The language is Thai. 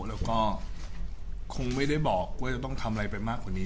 แล้วก็คงไม่ได้บอกว่าจะต้องทำอะไรไปมากกว่านี้